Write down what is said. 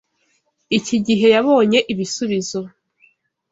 Iki gihe, yabonye ibisubizo.